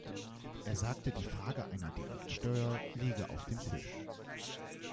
Er sagte, die Frage einer Direktsteuer liege auf dem Tisch.